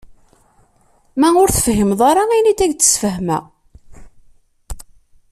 Ma ur t-tefhimeḍ ara ini-d ad ak-d-sfehmeɣ.